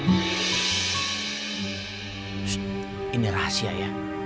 ssst ini rahasia ya